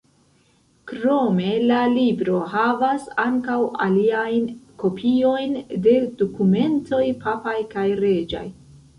Krome la libro havas ankaŭ aliajn kopiojn de dokumentoj papaj kaj reĝaj.